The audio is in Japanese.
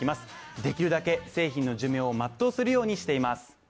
できるだけ製品の寿命を全うするようにしています。